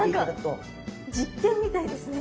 何か実験みたいですね。